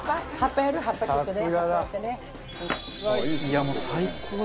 いやもう最高だわ。